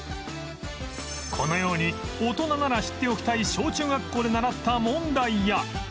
このように大人なら知っておきたい小中学校で習った問題や